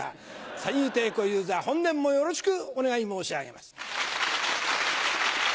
三遊亭小遊三本年もよろしくお願い申し上げます。